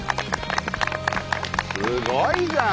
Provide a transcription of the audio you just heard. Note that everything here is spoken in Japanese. すごいじゃん。